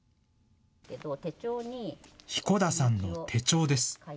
彦田さんの手帳です。